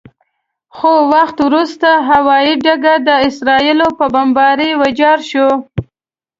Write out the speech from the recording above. څه وخت وروسته هوايي ډګر د اسرائیلو په بمبارۍ ویجاړ شو.